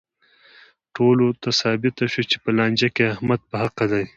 ټولو ته ثابته شوه چې په لانجه کې احمد په حقه دی.